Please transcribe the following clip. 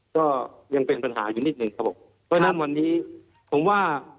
ก็ยังเป็นปัญหาอยู่นิดหนึ่งครับผมเพราะฉะนั้นวันนี้ผมว่า